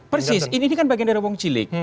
persis ini kan bagian dari robong cilik